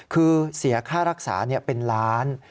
คือเสียค่ารักษาเป็นล้าน